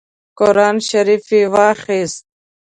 قران شریف یې واخیست.